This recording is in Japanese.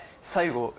最後。